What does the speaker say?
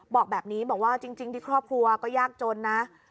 บอกแบบนี้บอกว่าจริงที่ครอบครัวก็ยากจนนะ